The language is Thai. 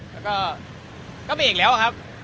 แล้วก็ก็เบรกแล้วครับ